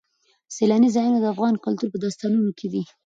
سیلاني ځایونه د افغان کلتور په داستانونو کې دي.